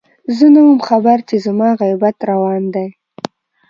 زه نه وم خبر چې زما غيبت روان دی